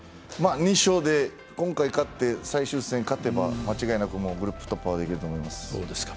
２勝で、今回最終戦勝てば、間違いなくグループ突破はできると思います。